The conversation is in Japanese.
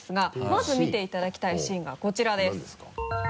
まず見ていただきたいシーンがこちらです。